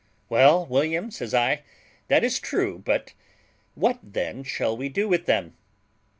"Well, William," says I, "that is true; but what then shall we do with them?"